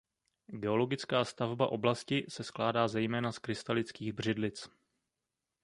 Geologická stavba oblasti se skládá zejména z krystalických břidlic.